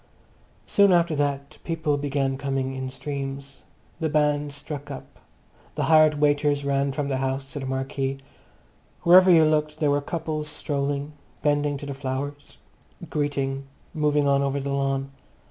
Soon after that people began coming in streams. The band struck up; the hired waiters ran from the house to the marquee. Wherever you looked there were couples strolling, bending to the flowers, greeting, moving on over the lawn.